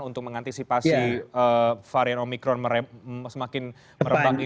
untuk mengantisipasi varian omikron semakin merebak ini